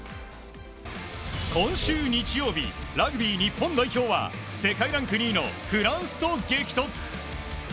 今週日曜日ラグビー日本代表は世界ランク２位のフランスと激突。